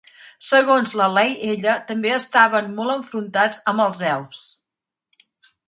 Segons la Lei'ella, també estaven molt enfrontats amb els elfs.